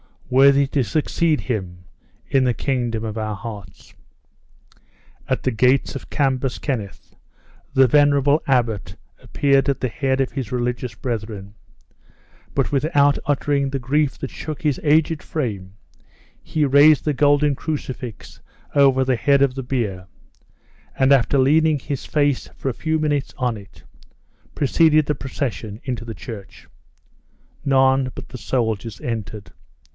worthy to succeed him in the kingdom of our hearts." At the gates of Cambus Kenneth, the venerable abbot appeared at the head of his religious brethren; but without uttering the grief that shook his aged frame, he raised the golden crucifix over the head of the bier, and after leaning his face for a few minutes on it, preceded the procession into the church. None but the soldiers entered.